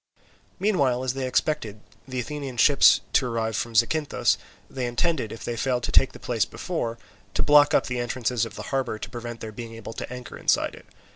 Meanwhile, as they expected the Athenian ships to arrive from Zacynthus, they intended, if they failed to take the place before, to block up the entrances of the harbour to prevent their being able to anchor inside it.